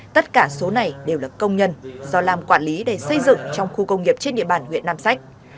tất cả số này đều là công nhân do lam quản lý để xây dựng trong khu công nghiệp trên địa bàn huyện nam sách